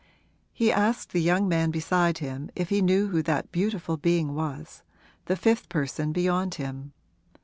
He asked the young man beside him if he knew who that beautiful being was the fifth person beyond him.